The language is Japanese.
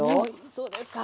そうですか。